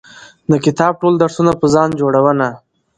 د کتاب ټول درسونه په ځان جوړونه